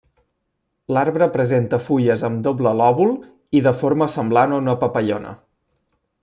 L'arbre presenta fulles amb doble lòbul i de forma semblant a una papallona.